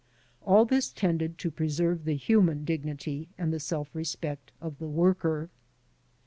All this tended to preserve the human dignity and the self respect of the worker.